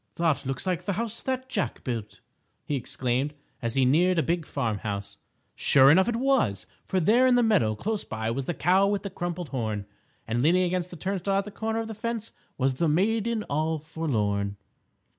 "That looks like the House That Jack Built!" he exclaimed, as he neared a big farm house. Sure enough it was, for there in the meadow close by was the Cow With the Crumpled Horn, and leaning against the turnstile at the corner of the fence was the Maiden All Forlorn.